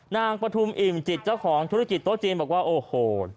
ปฐุมอิ่มจิตเจ้าของธุรกิจโต๊ะจีนบอกว่าโอ้โห